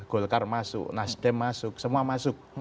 golkar masuk nasdem masuk semua masuk